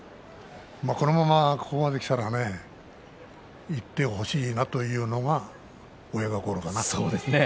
このまま、ここまできたらねいってほしいなというのは親心かなと思います。